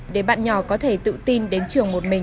để bạn nhỏ có thể tự tin đến trường một mình